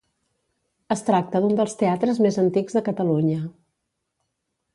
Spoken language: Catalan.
Es tracta d'un dels teatres més antics de Catalunya.